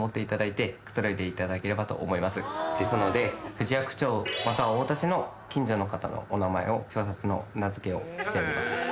藤阿久町または太田市の近所の方のお名前を表札の名づけをしております・